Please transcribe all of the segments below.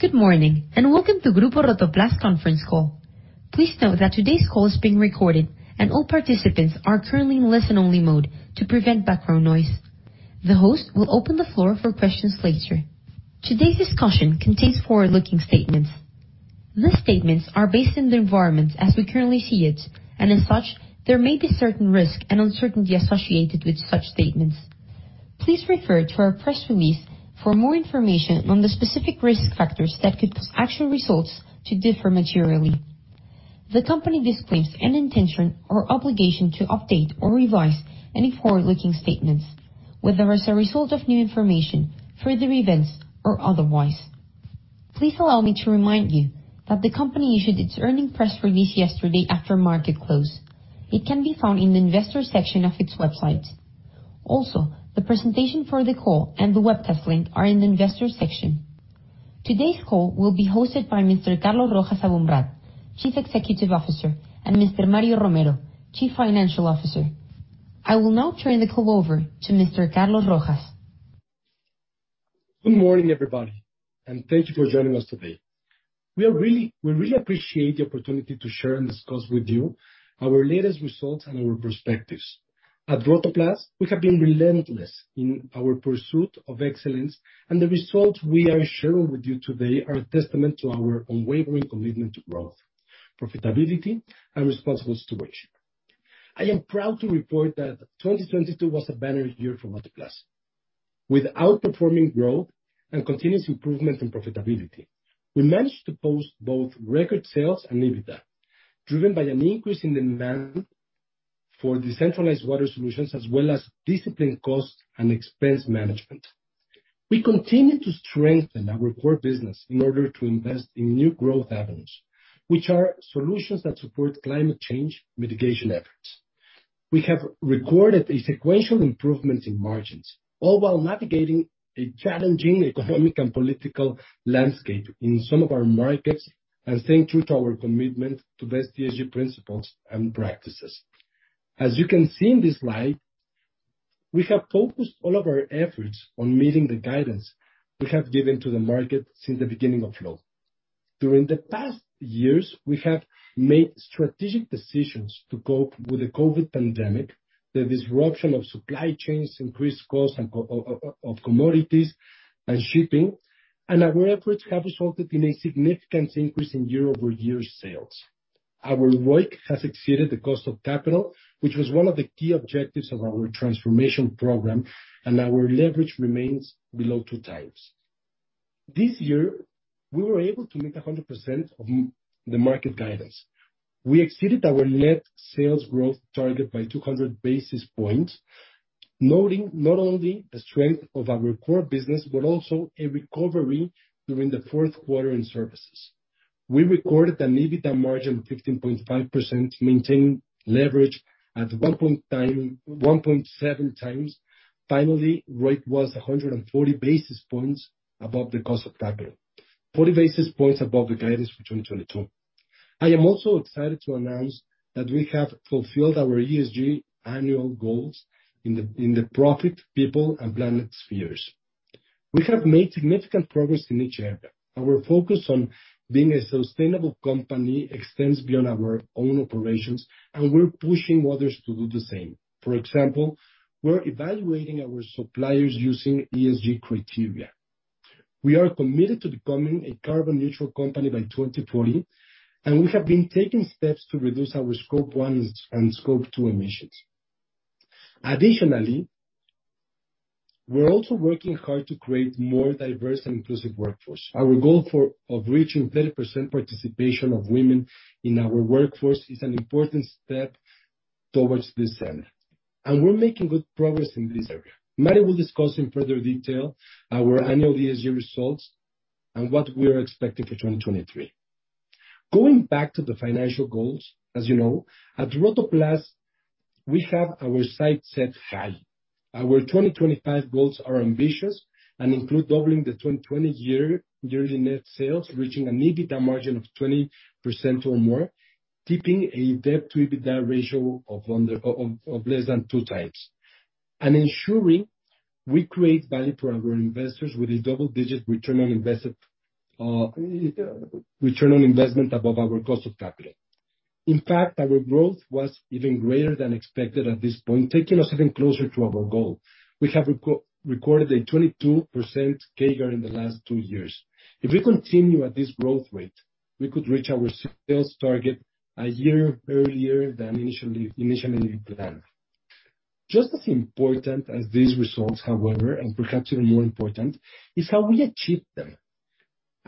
Good morning. Welcome to Grupo Rotoplas conference call. Please note that today's call is being recorded and all participants are currently in listen-only mode to prevent background noise. The host will open the floor for questions later. Today's discussion contains forward-looking statements. These statements are based on the environment as we currently see it, and as such, there may be certain risk and uncertainty associated with such statements. Please refer to our press release for more information on the specific risk factors that could cause actual results to differ materially. The company disclaims any intention or obligation to update or revise any forward-looking statements, whether as a result of new information, further events or otherwise. Please allow me to remind you that the company issued its earnings press release yesterday after market close. It can be found in the investor section of its website. The presentation for the call and the Webcast link are in the investor section. Today's call will be hosted by Mr. Carlos Rojas Aboumrad, Chief Executive Officer, and Mr. Mario Romero, Chief Financial Officer. I will now turn the call over to Mr. Carlos Rojas. Good morning, everybody. Thank you for joining us today. We really appreciate the opportunity to share and discuss with you our latest results and our perspectives. At Rotoplas, we have been relentless in our pursuit of excellence. The results we are sharing with you today are a testament to our unwavering commitment to growth, profitability, and responsible stewardship. I am proud to report that 2022 was a banner year for Rotoplas. With outperforming growth and continuous improvement in profitability, we managed to post both record sales and EBITDA, driven by an increase in demand for decentralized water solutions, as well as disciplined cost and expense management. We continue to strengthen our core business in order to invest in new growth avenues, which are solutions that support climate change mitigation efforts. We have recorded a sequential improvement in margins, all while navigating a challenging economic and political landscape in some of our markets and staying true to our commitment to best ESG principles and practices. As you can see in this slide, we have focused all of our efforts on meeting the guidance we have given to the market since the beginning of Flow. During the past years, we have made strategic decisions to cope with the COVID pandemic, the disruption of supply chains, increased costs of commodities and shipping. Our efforts have resulted in a significant increase in year-over-year sales. Our ROIC has exceeded the cost of capital, which was one of the key objectives of our transformation program. Our leverage remains below two times. This year, we were able to meet 100% of the market guidance. We exceeded our net sales growth target by 200 basis points, noting not only the strength of our core business, but also a recovery during the fourth quarter in services. We recorded an EBITDA margin of 15.5%, maintained leverage at 1.7x. Finally, ROIC was 140 basis points above the cost of capital. 40 basis points above the guidance for 2022. I am also excited to announce that we have fulfilled our ESG annual goals in the profit, people, and planet spheres. We have made significant progress in each area. Our focus on being a sustainable company extends beyond our own operations, and we're pushing others to do the same. For example, we're evaluating our suppliers using ESG criteria. We are committed to becoming a carbon neutral company by 2040, and we have been taking steps to reduce our scope one and scope two emissions. Additionally, we're also working hard to create more diverse and inclusive workforce. Our goal of reaching 30% participation of women in our workforce is an important step towards this end, and we're making good progress in this area. Mario will discuss in further detail our annual ESG results and what we're expecting for 2023. Going back to the financial goals, as you know, at Rotoplas, we have our sights set high. Our 2025 goals are ambitious and include doubling the 2020 year yearly net sales, reaching an EBITDA margin of 20% or more, keeping a debt to EBITDA ratio of less than 2x, and ensuring we create value for our investors with a double-digit return on invested return on investment above our cost of capital. In fact, our growth was even greater than expected at this point, taking us even closer to our goal. We have recorded a 22% CAGR in the last two years. If we continue at this growth rate, we could reach our sales target a year earlier than initially planned. Just as important as these results, however, and perhaps even more important, is how we achieved them.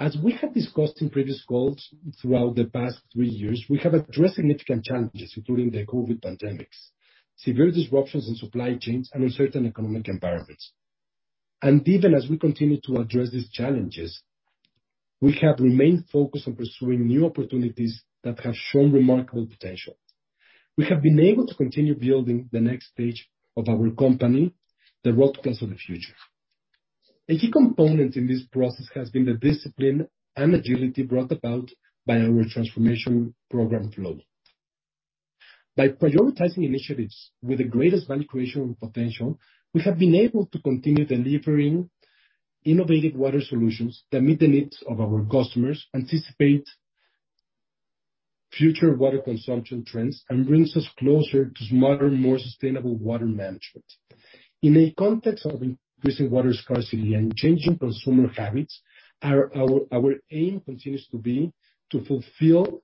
As we have discussed in previous calls, throughout the past three years, we have addressed significant challenges, including the COVID pandemics, severe disruptions in supply chains, and uncertain economic environments. Even as we continue to address these challenges, we have remained focused on pursuing new opportunities that have shown remarkable potential. We have been able to continue building the next stage of our company, the Rotoplas of the future. A key component in this process has been the discipline and agility brought about by our transformation program, Flow. By prioritizing initiatives with the greatest value creation potential, we have been able to continue delivering innovative water solutions that meet the needs of our customers, anticipate future water consumption trends, and brings us closer to smarter, more sustainable water management. In a context of increasing water scarcity and changing consumer habits, our aim continues to be to fulfill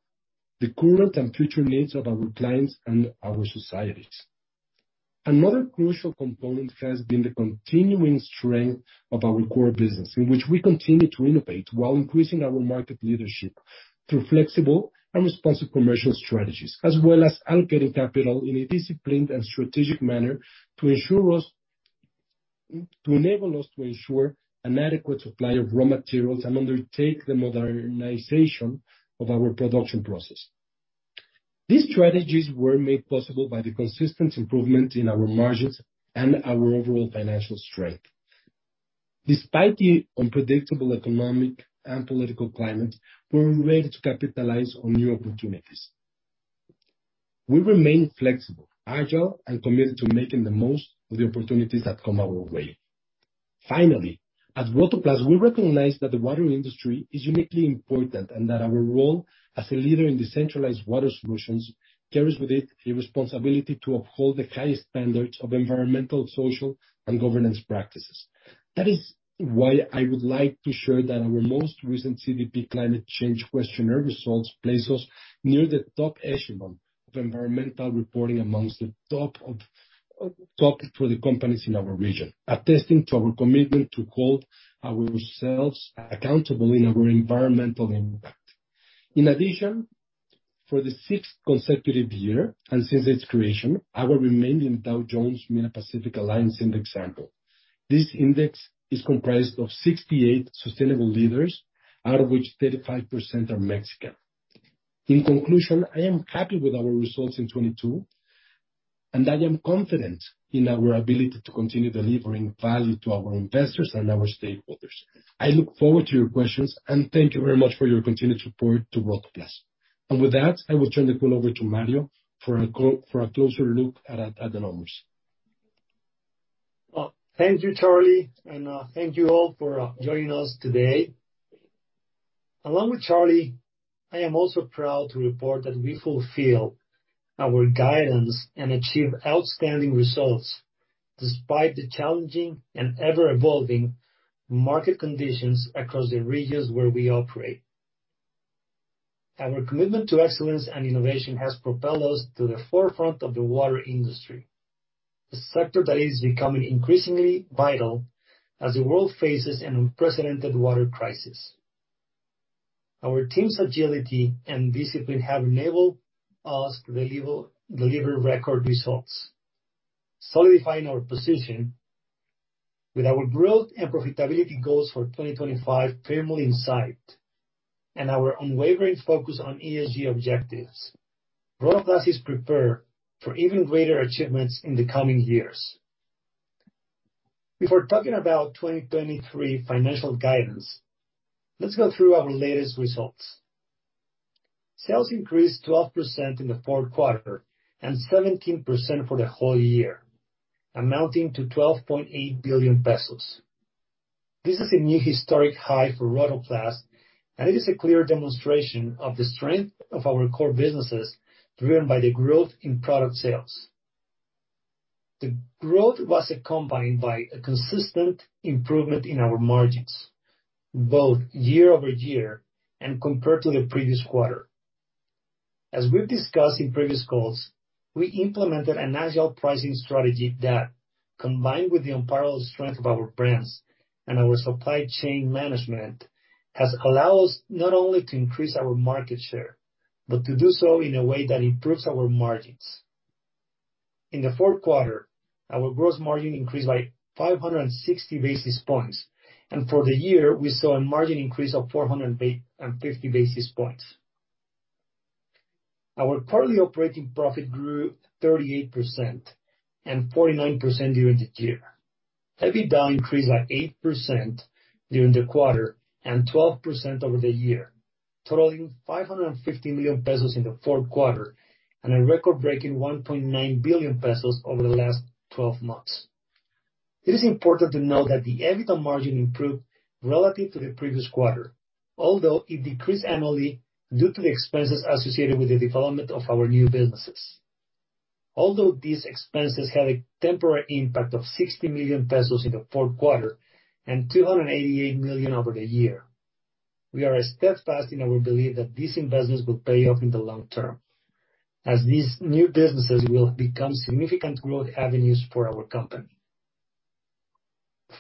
the current and future needs of our clients and our societies. Another crucial component has been the continuing strength of our core business, in which we continue to innovate while increasing our market leadership through flexible and responsive commercial strategies, as well as allocating capital in a disciplined and strategic manner to enable us to ensure an adequate supply of raw materials and undertake the modernization of our production process. These strategies were made possible by the consistent improvement in our margins and our overall financial strength. Despite the unpredictable economic and political climate, we're ready to capitalize on new opportunities. We remain flexible, agile, and committed to making the most of the opportunities that come our way. Finally, at Rotoplas, we recognize that the watering industry is uniquely important, and that our role as a leader in decentralized water solutions carries with it a responsibility to uphold the highest standards of environmental, social, and governance practices. That is why I would like to share that our most recent CDP climate change questionnaire results place us near the top echelon of environmental reporting amongst the top of, top 20 companies in our region, attesting to our commitment to hold ourselves accountable in our environmental impact. In addition, for the sixth consecutive year and since its creation, our remaining Dow Jones Sustainability MILA Pacific Alliance Index sample. This index is comprised of 68 sustainable leaders, out of which 35% are Mexican. In conclusion, I am happy with our results in 2022, and I am confident in our ability to continue delivering value to our investors and our stakeholders. I look forward to your questions, and thank you very much for your continued support to Rotoplas. With that, I will turn the call over to Mario for a closer look at the numbers. Thank you, Carlos, thank you all for joining us today. Along with Carlos, I am also proud to report that we fulfill our guidance and achieve outstanding results despite the challenging and ever-evolving market conditions across the regions where we operate. Our commitment to excellence and innovation has propelled us to the forefront of the water industry, the sector that is becoming increasingly vital as the world faces an unprecedented water crisis. Our team's agility and discipline have enabled us deliver record results, solidifying our position. With our growth and profitability goals for 2025 firmly in sight and our unwavering focus on ESG objectives, Rotoplas is prepared for even greater achievements in the coming years. Before talking about 2023 financial guidance, let's go through our latest results. Sales increased 12% in the fourth quarter and 17% for the whole year, amounting to 12.8 billion pesos. This is a new historic high for Rotoplas. It is a clear demonstration of the strength of our core businesses, driven by the growth in product sales. The growth was accompanied by a consistent improvement in our margins, both year-over-year and compared to the previous quarter. As we've discussed in previous calls, we implemented an agile pricing strategy that, combined with the unparalleled strength of our brands and our supply chain management, has allowed us not only to increase our market share, but to do so in a way that improves our margins. In the 4th quarter, our gross margin increased by 560 basis points. For the year, we saw a margin increase of 450 basis points. Our quarterly operating profit grew 38% and 49% during the year. EBITDA increased by 8% during the quarter and 12% over the year, totaling 550 million pesos in the fourth quarter and a record-breaking 1.9 billion pesos over the last twelve months. It is important to note that the EBITDA margin improved relative to the previous quarter, although it decreased annually due to the expenses associated with the development of our new businesses. Although these expenses had a temporary impact of 60 million pesos in the fourth quarter and 288 million over the year. We are steadfast in our belief that these investments will pay off in the long term, as these new businesses will become significant growth avenues for our company.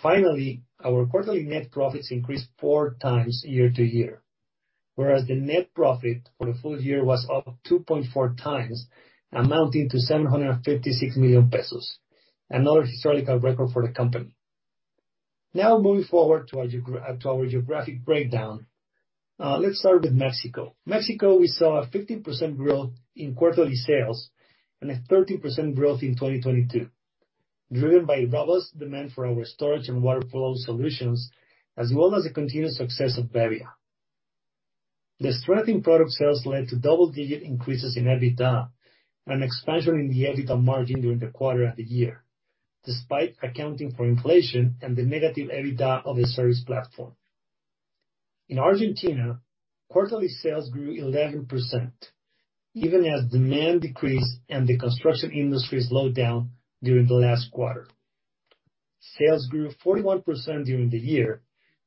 Finally, our quarterly net profits increased 4x year-over-year, whereas the net profit for the full year was up 2.4x, amounting to 756 million pesos, another historical record for the company. Moving forward to our geographic breakdown. Let's start with Mexico. Mexico, we saw a 15% growth in quarterly sales and a 30% growth in 2022, driven by robust demand for our storage and water flow solutions, as well as the continued success of bebbia. The strength in product sales led to double-digit increases in EBITDA, an expansion in the EBITDA margin during the quarter and the year, despite accounting for inflation and the negative EBITDA of the service platform. In Argentina, quarterly sales grew 11%, even as demand decreased and the construction industry slowed down during the last quarter. Sales grew 41% during the year,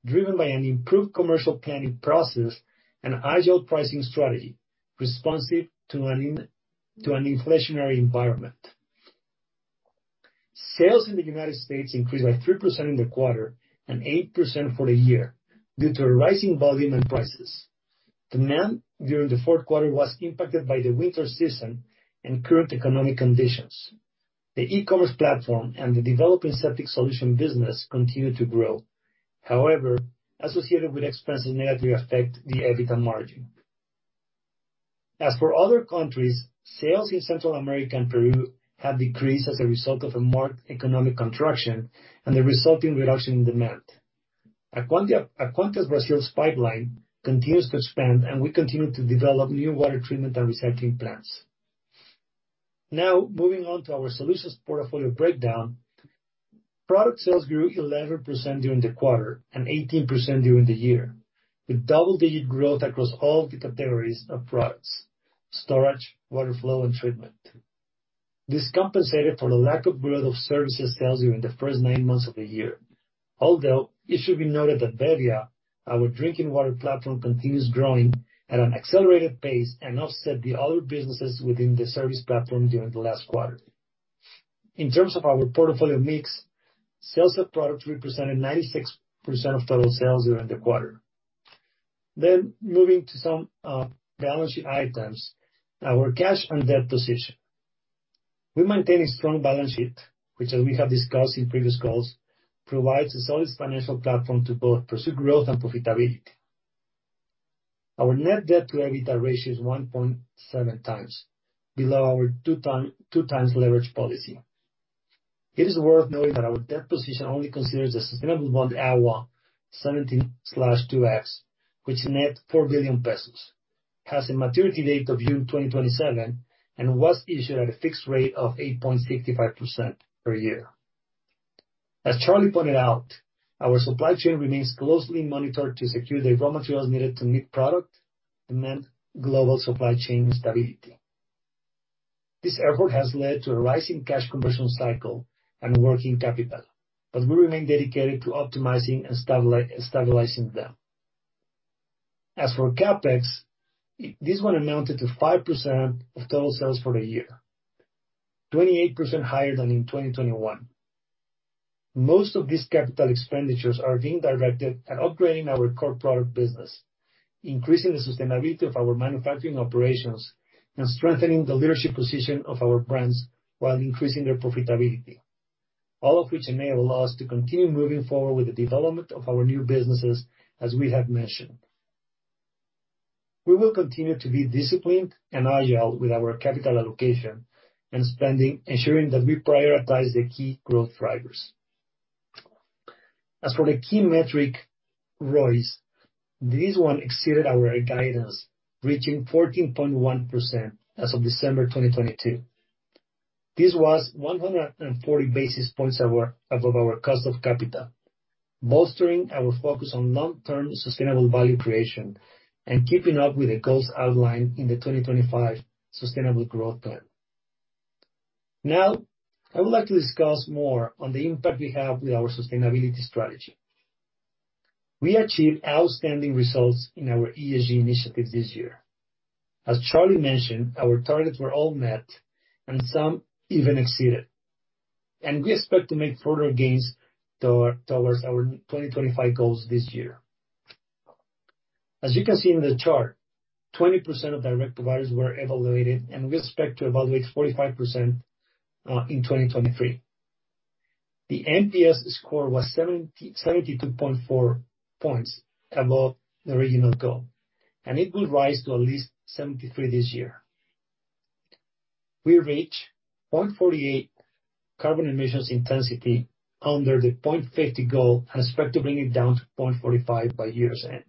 driven by an improved commercial planning process and agile pricing strategy, responsive to an inflationary environment. Sales in the United States increased by 3% in the quarter and 8% for the year due to a rising volume and prices. Demand during the fourth quarter was impacted by the winter season and current economic conditions. The e-commerce platform and the developing septic solution business continued to grow. However, associated with expenses negatively affect the EBITDA margin. As for other countries, sales in Central America and Peru have decreased as a result of a marked economic contraction and the resulting reduction in demand. Aquantis Brasil's pipeline continues to expand, and we continue to develop new water treatment and recycling plants. Moving on to our solutions portfolio breakdown. Product sales grew 11% during the quarter and 18% during the year, with double-digit growth across all the categories of products: storage, water flow, and treatment. This compensated for the lack of growth of services sales during the first nine months of the year. Although it should be noted that bebbia, our drinking water platform, continues growing at an accelerated pace and offset the other businesses within the service platform during the last quarter. In terms of our portfolio mix, sales of products represented 96% of total sales during the quarter. Moving to some balance sheet items, our cash and debt position. We maintain a strong balance sheet, which, as we have discussed in previous calls, provides a solid financial platform to both pursue growth and profitability. Our net debt to EBITDA ratio is 1.7x, below our 2x leverage policy. It is worth noting that our debt position only considers the sustainable bond offer 17/2X, which is net 4 billion pesos, has a maturity date of June 2027, and was issued at a fixed rate of 8.65% per year. As Charlie pointed out, our supply chain remains closely monitored to secure the raw materials needed to meet product demand global supply chain stability. This effort has led to a rise in cash conversion cycle and working capital, but we remain dedicated to optimizing and stabilizing them. As for CapEx, this one amounted to 5% of total sales for the year, 28% higher than in 2021. Most of these capital expenditures are being directed at upgrading our core product business, increasing the sustainability of our manufacturing operations, and strengthening the leadership position of our brands while increasing their profitability. All of which enable us to continue moving forward with the development of our new businesses, as we have mentioned. We will continue to be disciplined and agile with our capital allocation and spending, ensuring that we prioritize the key growth drivers. As for the key metric ROIC, this one exceeded our guidance, reaching 14.1% as of December 2022. This was 140 basis points above our cost of capital, bolstering our focus on long-term sustainable value creation and keeping up with the goals outlined in the 2025 sustainable growth plan. I would like to discuss more on the impact we have with our sustainability strategy. We achieved outstanding results in our ESG initiatives this year. As Charlie mentioned, our targets were all met, and some even exceeded. We expect to make further gains towards our 2025 goals this year. As you can see in the chart, 20% of direct providers were evaluated, and we expect to evaluate 45% in 2023. The NPS score was 72.4 points above the original goal, and it will rise to at least 73 this year. We reached 0.48 carbon emissions intensity under the 0.50 goal and expect to bring it down to 0.45 by year's end.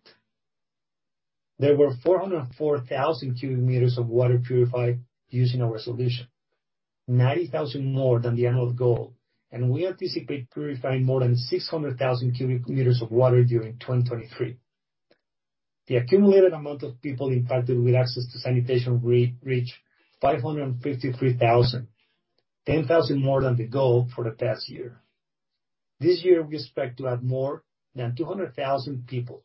There were 404,000 cubic meters of water purified using our solution, 90,000 more than the annual goal, and we anticipate purifying more than 600,000 cubic meters of water during 2023. The accumulated amount of people impacted with access to sanitation re-reached 553,000, 10,000 more than the goal for the past year. This year, we expect to add more than 200,000 people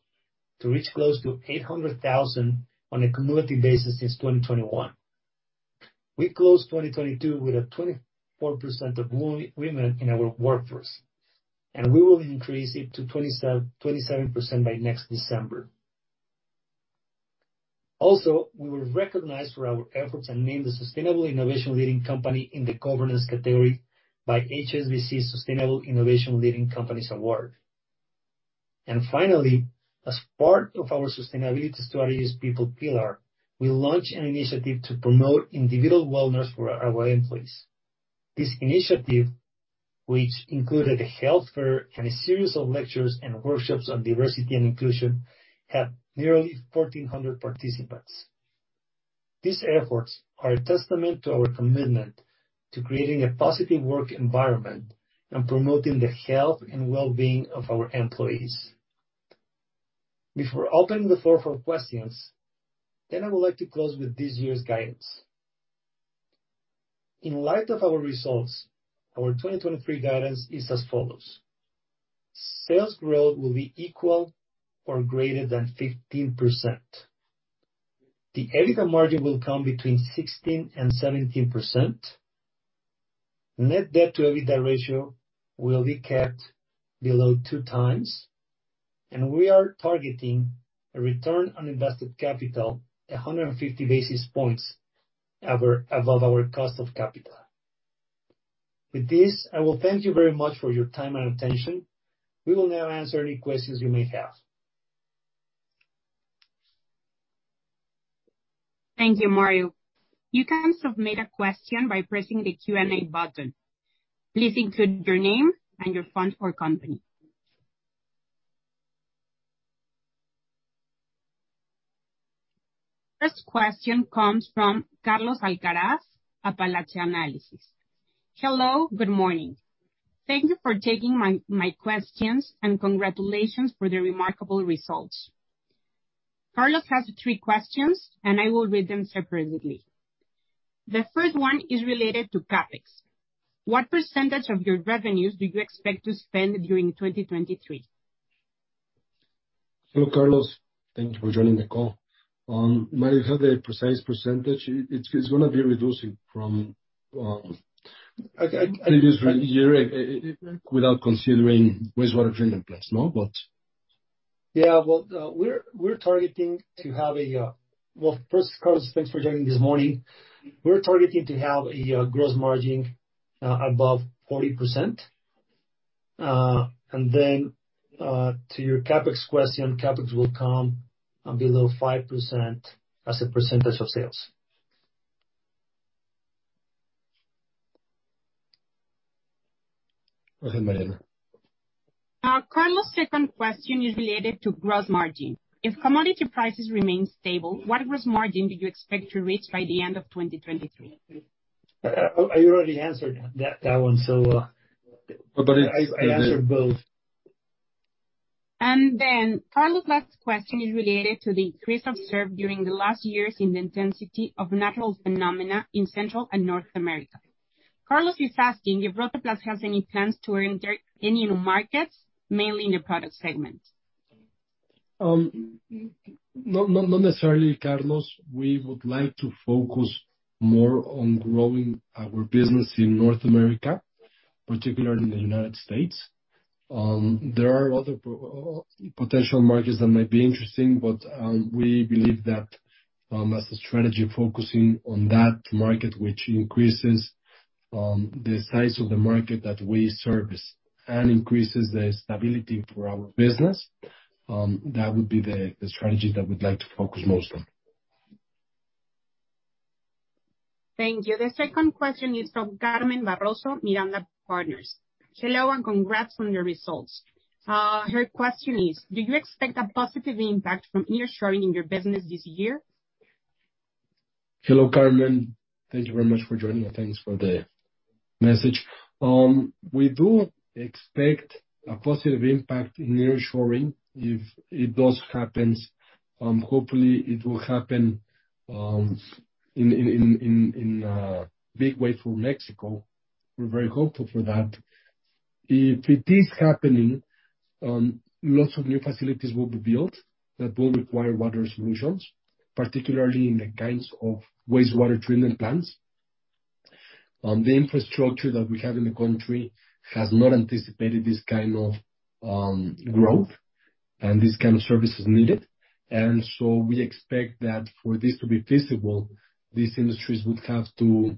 to reach close to 800,000 on a cumulative basis since 2021. We closed 2022 with a 24% of women in our workforce. We will increase it to 27% by next December. We were recognized for our efforts and named the Sustainable Innovation Leading Company in the governance category by Leading Companies in Sustainable Innovation Awards. Finally, as part of our sustainability strategy's people pillar, we launched an initiative to promote individual wellness for our employees. This initiative, which included a health fair and a series of lectures and workshops on diversity and inclusion, have nearly 1,400 participants. These efforts are a testament to our commitment to creating a positive work environment and promoting the health and well-being of our employees. Before opening the floor for questions, I would like to close with this year's guidance. In light of our results, our 2023 guidance is as follows: sales growth will be equal or greater than 15%. The EBITDA margin will come between 16% and 17%. Net debt to EBITDA ratio will be kept below 2x, and we are targeting a return on invested capital 150 basis points above our cost of capital. With this, I will thank you very much for your time and attention. We will now answer any questions you may have. Thank you, Mario. You can submit a question by pressing the Q&A button. Please include your name and your fund or company. This question comes from Carlos Alcaraz at Apalache Análisis. Hello, good morning. Thank you for taking my questions, and congratulations for the remarkable results. Carlos has three questions, and I will read them separately. The first one is related to CapEx. What % of your revenues do you expect to spend during 2023? Hello, Carlos. Thank you for joining the call. Mario has a precise percentage. It's gonna be reducing from previous year without considering wastewater treatment plants, no? But... Yeah. Well, first, Carlos, thanks for joining this morning. We're targeting to have a gross margin above 40%. To your CapEx question, CapEx will come below 5% as a percentage of sales. Go ahead, Mario. Carlos' second question is related to gross margin. If commodity prices remain stable, what gross margin do you expect to reach by the end of 2023? I already answered that one, so. But it's- I answered both. Then Carlos' last question is related to the increase observed during the last years in the intensity of natural phenomena in Central and North America. Carlos is asking if Rotoplas has any plans to enter any new markets, mainly in the product segment. Not necessarily, Carlos. We would like to focus more on growing our business in North America, particularly in the United States. There are other potential markets that might be interesting, but we believe that as a strategy focusing on that market, which increases the size of the market that we service and increases the stability for our business, that would be the strategy that we'd like to focus most on. Thank you. The second question is from Carmen Barone, Miranda Partners. Hello, and congrats on your results. Her question is: Do you expect a positive impact from nearshoring in your business this year? Hello, Carmen. Thank you very much for joining. Thanks for the message. We do expect a positive impact in nearshoring if it does happens. Hopefully it will happen in a big way through Mexico. We're very hopeful for that. If it is happening, lots of new facilities will be built that will require water solutions, particularly in the kinds of wastewater treatment plants. The infrastructure that we have in the country has not anticipated this kind of growth and this kind of services needed. We expect that for this to be feasible, these industries would have to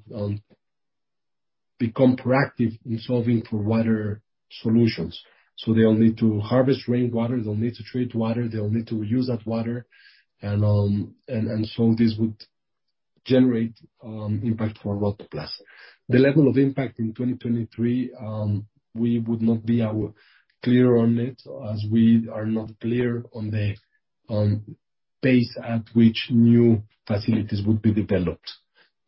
become proactive in solving for water solutions. They'll need to harvest rainwater, they'll need to treat water, they'll need to reuse that water, and this would generate impact for Rotoplas. The level of impact in 2023, we would not be clear on it, as we are not clear on the pace at which new facilities would be developed.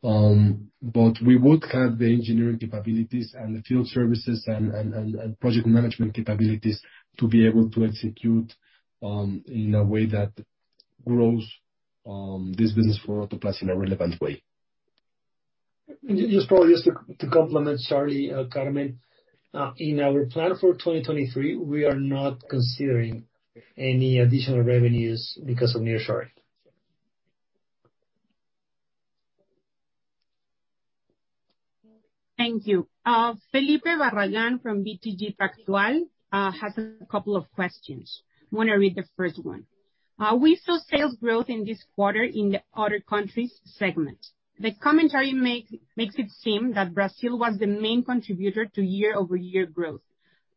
We would have the engineering capabilities and the field services and project management capabilities to be able to execute in a way that grows this business for Rotoplas in a relevant way. Just probably just to complement Charlie, Carmen, in our plan for 2023, we are not considering any additional revenues because of nearshoring. Thank you. Felipe Barragan from BTG Pactual has a couple of questions. I'm gonna read the first one. We saw sales growth in this quarter in the other countries segment. The commentary makes it seem that Brazil was the main contributor to year-over-year growth.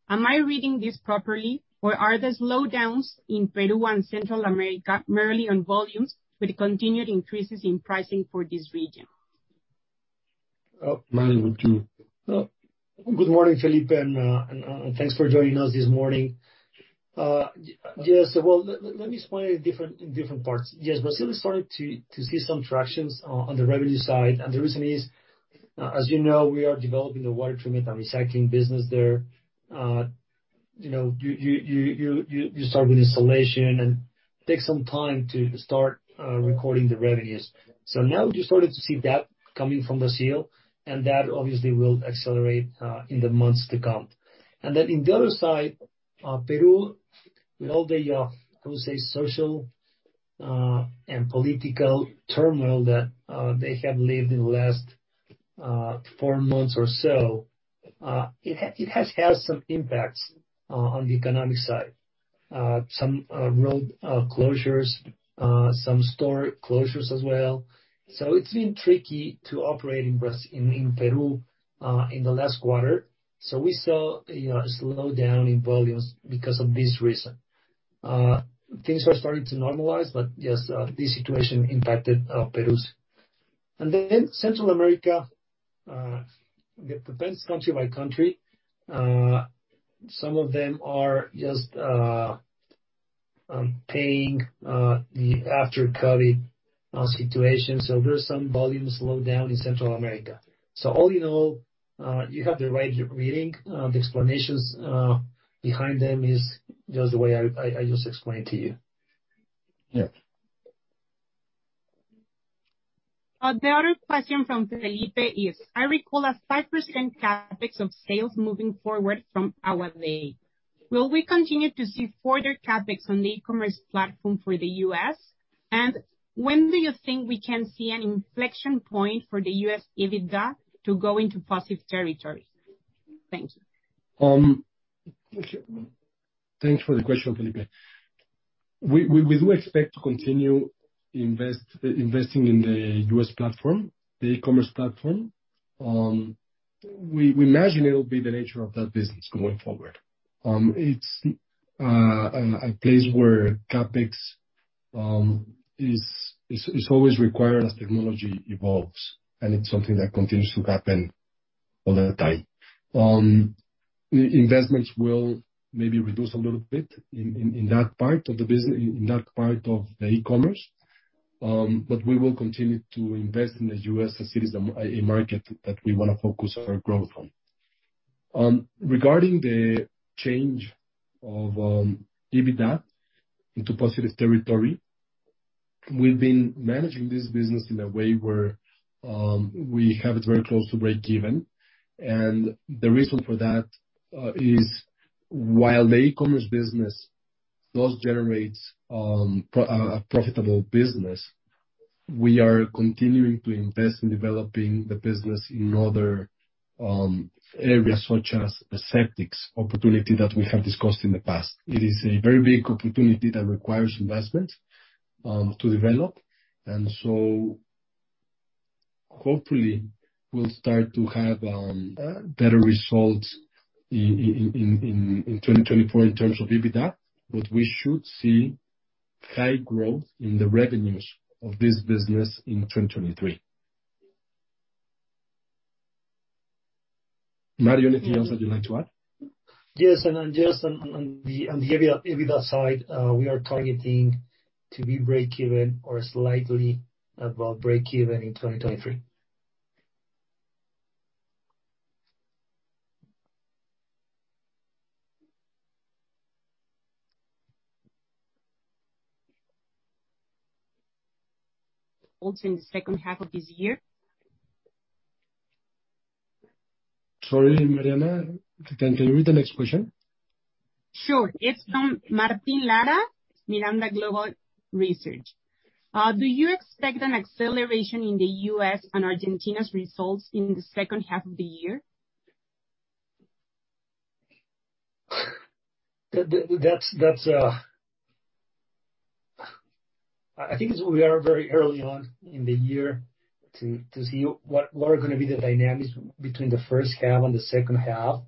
Am I reading this properly, or are the slowdowns in Peru and Central America merely on volumes with continued increases in pricing for this region? Oh, Mario, would you... Good morning, Felipe, and thanks for joining us this morning. Yes. Well, let me explain it in different, in different parts. Yes, Brazil is starting to see some tractions on the revenue side, and the reason is, as you know, we are developing the water treatment and recycling business there. you know, you start with installation, and takes some time to start recording the revenues. Now we just started to see that coming from Brazil, and that obviously will accelerate in the months to come. In the other side, Peru, with all the, I would say social, and political turmoil that they have lived in the last four months or so, it has had some impacts on the economic side. Some road closures, some store closures as well. It's been tricky to operate in Peru in the last quarter. We saw a slowdown in volumes because of this reason. Things are starting to normalize, but yes, this situation impacted Peru. Central America, it depends country by country. Some of them are just paying the after COVID situation. There's some volume slowdown in Central America. All in all, you have the right reading. The explanations behind them is just the way I just explained to you. The other question from Felipe is, I recall a 5% CapEx of sales moving forward from our day. Will we continue to see further CapEx on the e-commerce platform for the US? When do you think we can see an inflection point for the US EBITDA to go into positive territory? Thank you. Thanks for the question, Felipe. We do expect to continue investing in the U.S. platform, the e-commerce platform. We imagine it'll be the nature of that business going forward. It's a place where CapEx is always required as technology evolves, it's something that continues to happen all the time. Investments will maybe reduce a little bit in that part of the e-commerce, we will continue to invest in the U.S. as it is a market that we wanna focus our growth on. Regarding the change of EBITDA into positive territory, we've been managing this business in a way where we have it very close to breakeven. The reason for that is while the e-commerce business does generate a profitable business, we are continuing to invest in developing the business in other areas such as the septic opportunity that we have discussed in the past. It is a very big opportunity that requires investment to develop. Hopefully we'll start to have better results in 2024 in terms of EBITDA, but we should see high growth in the revenues of this business in 2023. Mario, anything else that you'd like to add? Yes, just on the EBITDA side, we are targeting to be breakeven or slightly above breakeven in 2023. In the second half of this year? Sorry, Mariana, can you read the next question? Sure. It's from Martín Lara, Miranda Global Research. Do you expect an acceleration in the US and Argentina's results in the second half of the year? I think it's, we are very early on in the year to see what are gonna be the dynamics between the first half and the second half.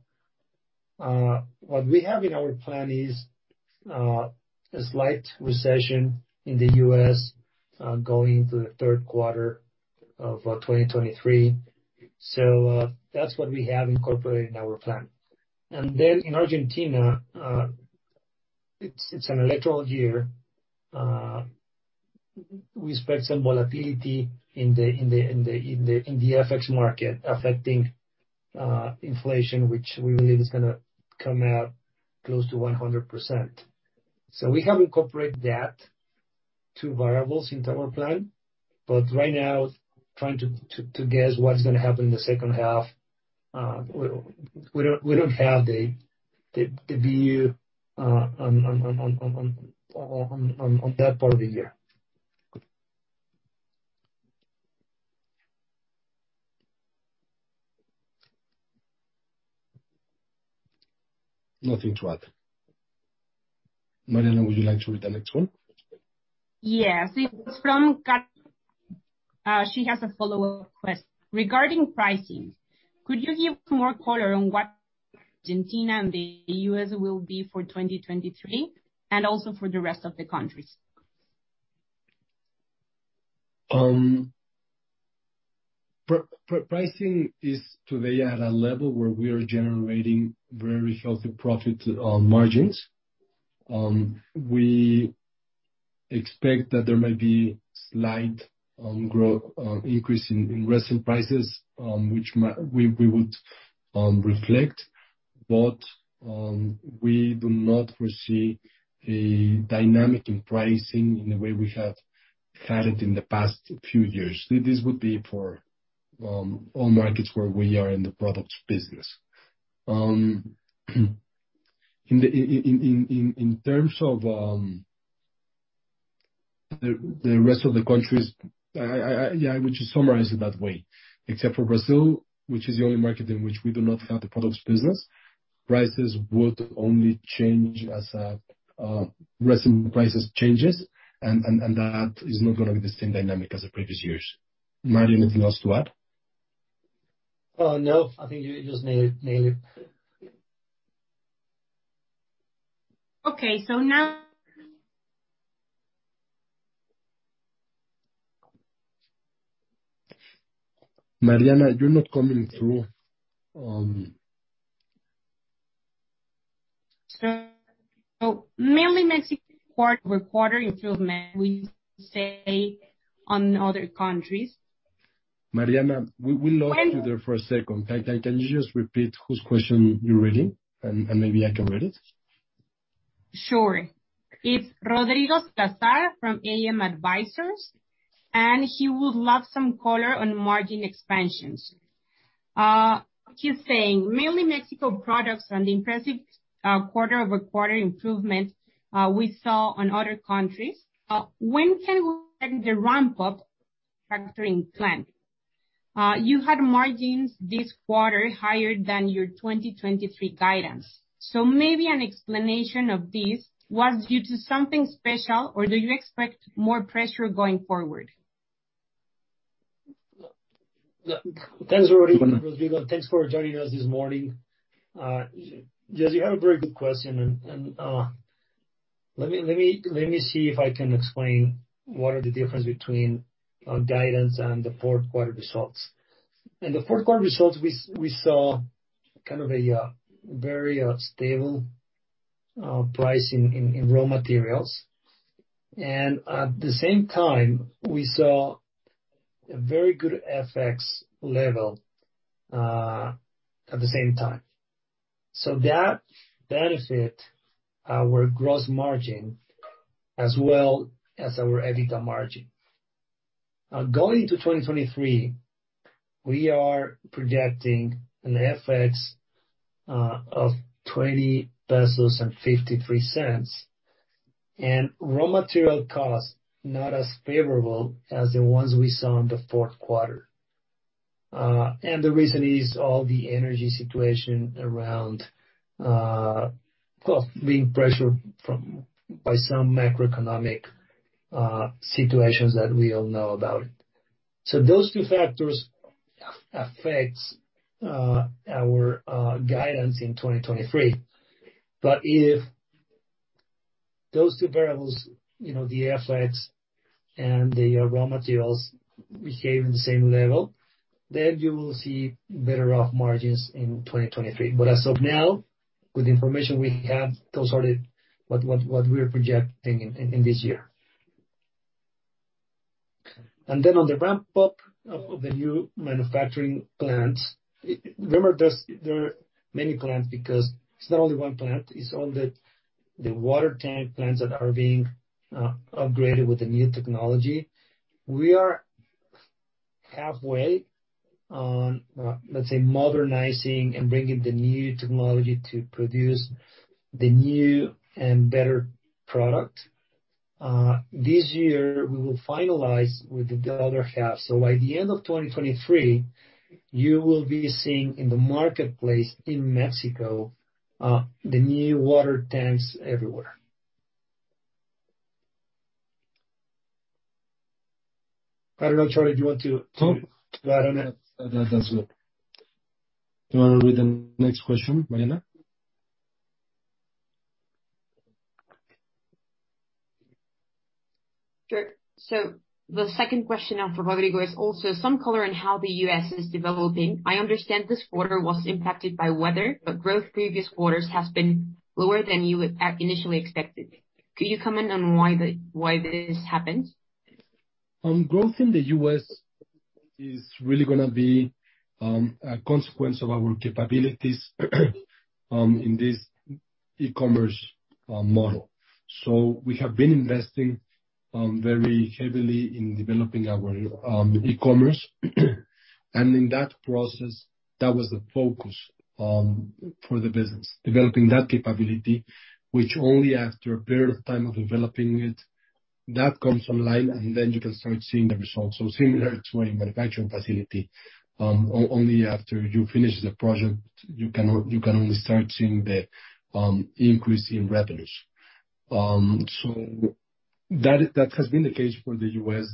What we have in our plan is a slight recession in the U.S., going into the third quarter of 2023. That's what we have incorporated in our plan. In Argentina, it's an electoral year. We expect some volatility in the FX market affecting inflation, which we believe is gonna come out close to 100%. We have incorporated that two variables into our plan. Right now, trying to guess what's gonna happen in the second half, we don't have the view on that part of the year. Nothing to add. Mariana, would you like to read the next one? Yes. It's from Kat. She has a follow-up question. Regarding pricing, could you give more color on what Argentina and the US will be for 2023, and also for the rest of the countries? Pricing is today at a level where we are generating very healthy profit margins. We expect that there may be slight increase in resin prices, which we would reflect, but we do not foresee a dynamic in pricing in the way we have had it in the past few years. This would be for all markets where we are in the products business. In terms of the rest of the countries, I would just summarize it that way. Except for Brazil, which is the only market in which we do not have the products business, prices would only change as resin prices changes. That is not gonna be the same dynamic as the previous years. Mariano, anything else to add? No. I think you just nailed it. Okay. Mariana, you're not coming through. mainly Mexico quarter improvement we see on other countries. Mariana, we will look into there for a second. Can you just repeat whose question you're reading and maybe I can read it? Sure. It's Rodrigo Salazar from AM Advisors. He would love some color on margin expansions. He's saying, "Mainly Mexico products and the impressive quarter-over-quarter improvement we saw on other countries, when can we expect the ramp-up factoring plan? You had margins this quarter higher than your 2023 guidance. Maybe an explanation of this. Was it due to something special, or do you expect more pressure going forward? Yeah. Thanks, Rodrigo. Thanks for joining us this morning. Yes, you have a very good question. Let me see if I can explain what are the difference between guidance and the fourth quarter results. In the fourth quarter results, we saw kind of a very stable price in raw materials. At the same time, we saw a very good FX level at the same time. That benefit our gross margin as well as our EBITDA margin. Going to 2023, we are projecting an FX of 20.53 pesos. Raw material costs, not as favorable as the ones we saw in the fourth quarter. The reason is all the energy situation around, cost being pressured by some macroeconomic situations that we all know about. Those two factors affects our guidance in 2023. If those two variables, you know, the FX and the raw materials behave in the same level, then you will see better rough margins in 2023. As of now, with the information we have, those are the what we are projecting in this year. On the ramp-up of the new manufacturing plants, remember there are many plants because it's not only one plant. It's all the water tank plants that are being upgraded with the new technology. We are halfway on, let's say, modernizing and bringing the new technology to produce the new and better product. This year, we will finalize with the other half. By the end of 2023, you will be seeing in the marketplace in Mexico, the new water tanks everywhere. I don't know, Carlos, do you want to add on it? No. That's good. You wanna read the next question, Mariana? Sure. The second question now from Rodrigo is also some color on how the US is developing. I understand this quarter was impacted by weather, but growth previous quarters has been lower than you initially expected. Could you comment on why this happened? Growth in the U.S. is really gonna be a consequence of our capabilities in this e-commerce model. We have been investing very heavily in developing our e-commerce. In that process, that was the focus for the business, developing that capability, which only after a period of time of developing itThat comes online, and then you can start seeing the results. Similar to a manufacturing facility, only after you finish the project, you can only start seeing the increase in revenues. That, that has been the case for the U.S.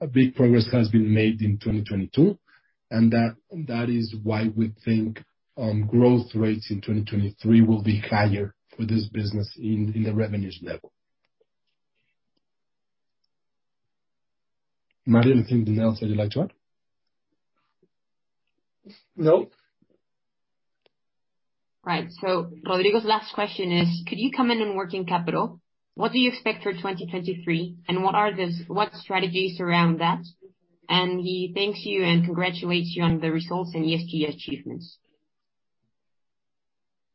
A big progress has been made in 2022, and that is why we think growth rates in 2023 will be higher for this business in the revenues level. Mario, anything else that you'd like to add? No. Right. Rodrigo's last question is, could you comment on working capital? What do you expect for 2023, and what strategies around that? He thanks you and congratulates you on the results and ESG achievements.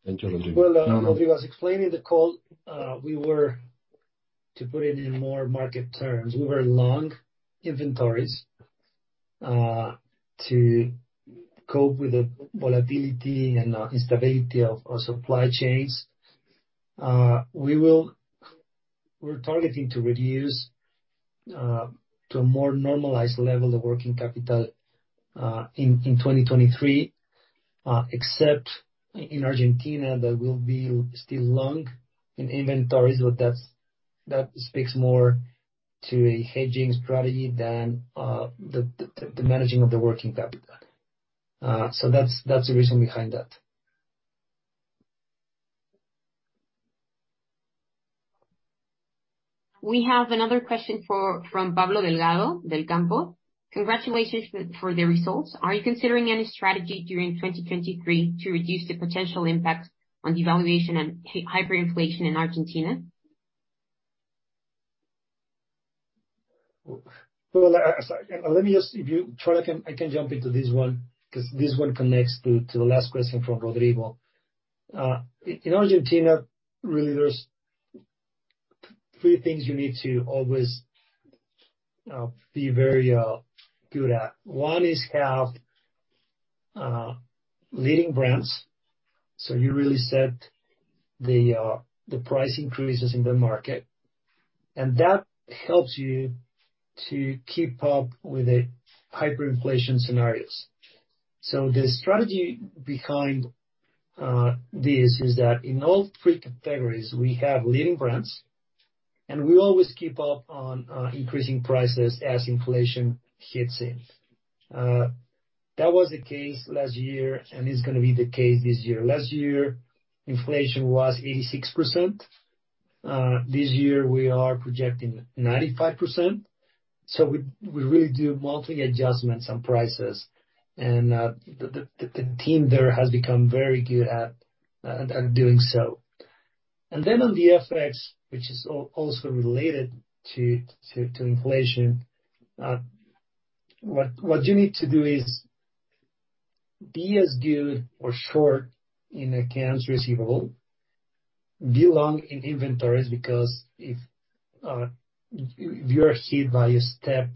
Thank you, Rodrigo. Rodrigo, as explained in the call, To put it in more market terms, we were long inventories, to cope with the volatility and instability of our supply chains. We're targeting to reduce to a more normalized level of working capital in 2023, except in Argentina that we'll be still long in inventories. That's, that speaks more to a hedging strategy than the managing of the working capital. That's, that's the reason behind that. We have another question from Pablo Delgado del Campo. Congratulations for the results. Are you considering any strategy during 2023 to reduce the potential impact on devaluation and hyperinflation in Argentina? Let me just... If you don't mind, I can jump into this one, 'cause this one connects to the last question from Rodrigo. In Argentina, really there's three things you need to always be very good at. One is have leading brands. You really set the price increases in the market. That helps you to keep up with the hyperinflation scenarios. The strategy behind this is that in all three categories, we have leading brands, and we always keep up on increasing prices as inflation hits in. That was the case last year, and it's gonna be the case this year. Last year, inflation was 86%. This year we are projecting 95%. We really do monthly adjustments on prices. The team there has become very good at doing so. Then on the effects, which is also related to inflation, what you need to do is be as good or short in accounts receivable, belong in inventories, because if you're hit by a step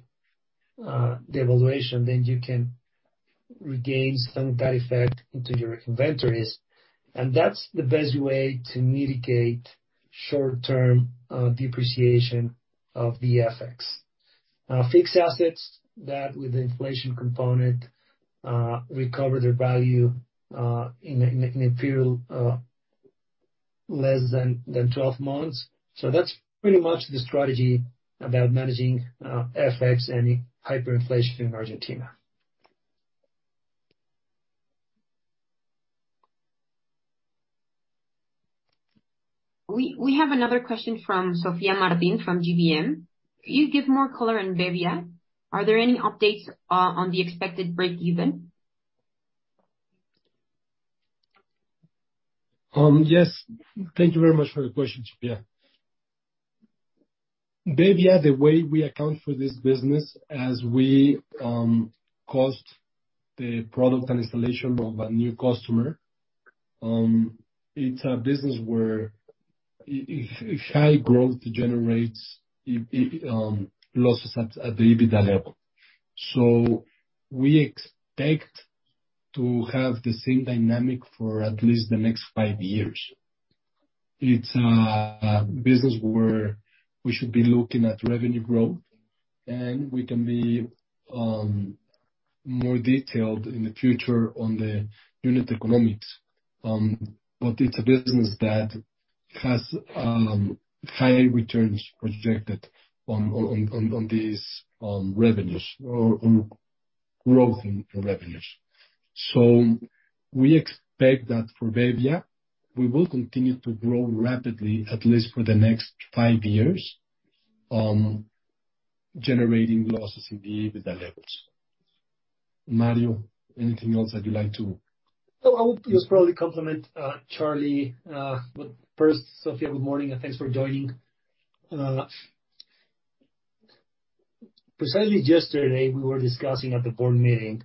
devaluation, then you can regain some of that effect into your inventories. That's the best way to mitigate short-term depreciation of the FX. Fixed assets, that with inflation component, recover their value in a period less than 12 months. That's pretty much the strategy about managing FX and hyperinflation in Argentina. We have another question from Sofia Martin, from GBM. Could you give more color on bebbia? Are there any updates on the expected break even? Yes. Thank you very much for the question, Sofia. bebbia, the way we account for this business, as we cost the product and installation of a new customer, it's a business where high growth generates losses at the EBITDA level. We expect to have the same dynamic for at least the next 5 years. It's a business where we should be looking at revenue growth, and we can be more detailed in the future on the unit economics. It's a business that has high returns projected on these revenues or growth in revenues. We expect that for bebbia, we will continue to grow rapidly at least for the next 5 years, generating losses in the EBITDA levels. Mario, anything else that you'd like. I would just probably compliment Charlie. First, Sofia, good morning, and thanks for joining. Precisely yesterday we were discussing at the board meeting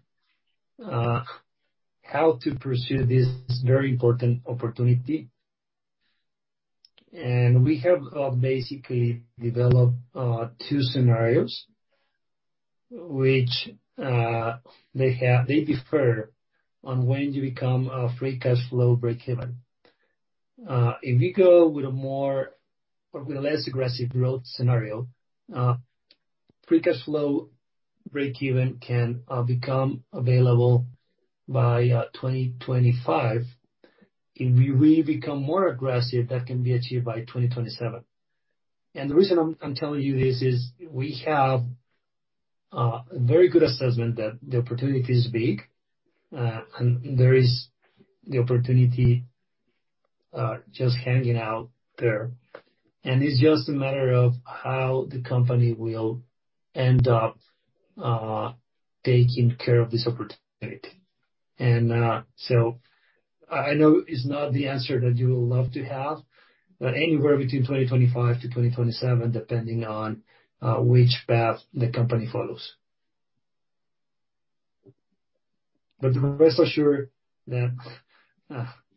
how to pursue this very important opportunity. We have basically developed two scenarios which they differ on when you become a free cash flow breakeven. If you go with a more or with a less aggressive growth scenario, free cash flow breakeven can become available by 2025. If we really become more aggressive, that can be achieved by 2027. The reason I'm telling you this is we have a very good assessment that the opportunity is big, and there is the opportunity just hanging out there. It's just a matter of how the company will end up taking care of this opportunity. I know it's not the answer that you would love to have, anywhere between 2025-2027, depending on which path the company follows. Rest assured that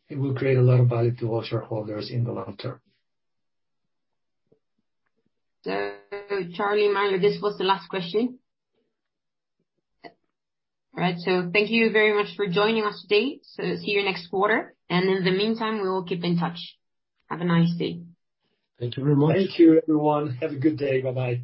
it will create a lot of value to all shareholders in the long term. Carlos and Mario, this was the last question. All right. Thank you very much for joining us today. See you next quarter. In the meantime, we will keep in touch. Have a nice day. Thank you very much. Thank you, everyone. Have a good day. Bye-bye.